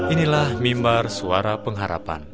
inilah mimbar suara pengharapan